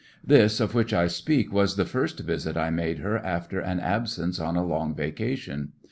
This of which I speak was the first visit I made her after an absence on a long vacation.